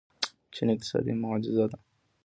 چین اقتصادي معجزه ده.